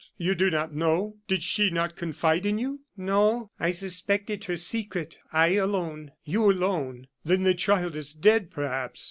you do not know! Did she not confide in you?" "No. I suspected her secret. I alone " "You, alone! Then the child is dead, perhaps.